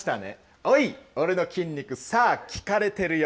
おい、俺の筋肉、さあ、聞かれてるよ。